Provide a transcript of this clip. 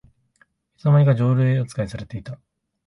いつの間にか常連あつかいされてた